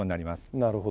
なるほど。